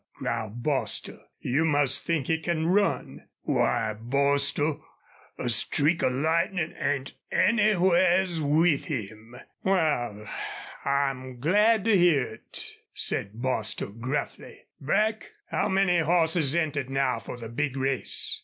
growled Bostil. "You must think he can run." "Why, Bostil, a streak of lightnin' ain't anywheres with him." "Wal, I'm glad to hear it," said Bostil, gruffly. "Brack, how many hosses entered now for the big race?"